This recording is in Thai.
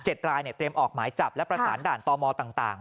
เจ็ดรายเตรียมออกหมายจับและประสานด่านต่อมอต่าง